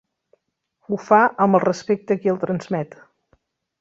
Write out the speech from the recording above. Ho fa amb el respecte qui el transmet.